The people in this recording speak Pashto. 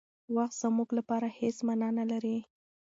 وخت زموږ لپاره هېڅ مانا نه لري.